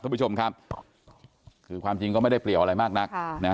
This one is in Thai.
คุณผู้ชมครับคือความจริงก็ไม่ได้เปรียวอะไรมากนัก